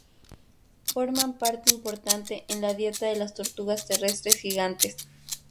Forman parte importante en la dieta de las tortugas terrestres gigantes.